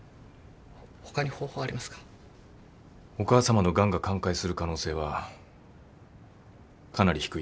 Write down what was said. お母さまのがんが寛解する可能性はかなり低いです。